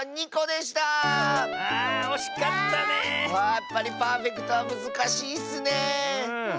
やっぱりパーフェクトはむずかしいッスねえ。